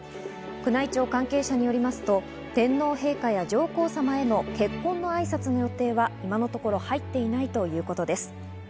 宮内庁関係者によりますと天皇陛下や上皇さまへの結婚の挨拶の予定は今のところ入っていないということです。